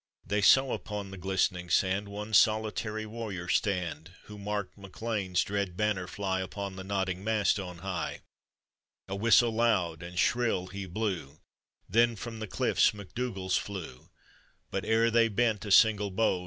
They saw upon the glistening sand One solitary warrior stand, Who marked Mac Lean's dread banner fly Upon the nodding mast on high — A whittle loud and shrill he blew, Then from the cliffs MacDoiigalls flew; But ere they bent a single bow.